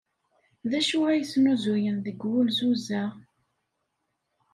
D acu ay snuzuyen deg wulzuz-a?